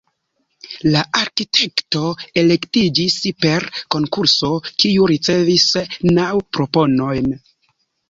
La arkitekto elektiĝis per konkurso, kiu ricevis naŭ proponojn.